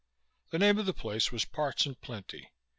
The name of the place was Parts 'n Plenty.